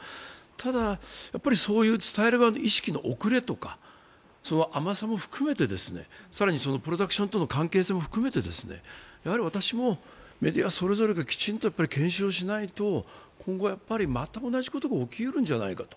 ただ、そういう伝える側の意識の遅れとか甘さも含めて更に、プロダクションとの関係も含めて私もメディアそれぞれがきちんと検証しないと今後また同じことが起きうるんじゃないかと。